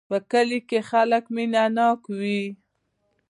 په کلي کې خلک مینه ناک وی